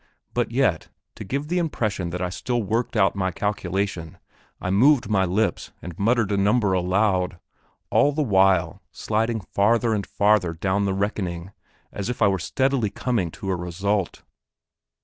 But yet, to give the impression that I still worked out my calculation, I moved my lips and muttered a number aloud, all the while sliding farther and farther down the reckoning as if I were steadily coming to a result.